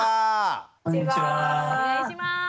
お願いします。